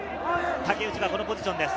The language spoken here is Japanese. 竹内はこのポジションです。